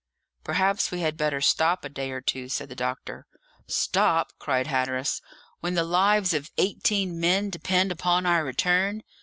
"Perhaps we had better stop a day or two," said the doctor. "Stop!" cried Hatteras, "when the lives of eighteen men depend upon our return!